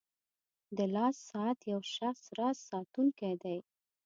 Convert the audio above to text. • د لاس ساعت یو شخصي راز ساتونکی دی.